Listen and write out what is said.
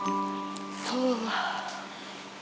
gila udah pengen janaskan before